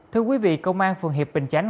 thưa quý vị công an phường hiệp bình chánh